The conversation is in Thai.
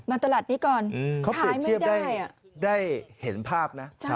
ตลาดนี้ก่อนเขาเปรียบเทียบได้เห็นภาพนะ